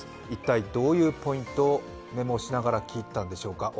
一体、どういうポイントをメモしながら聞いていたんでしょうか。